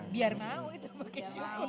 biar mau itu pakai syukur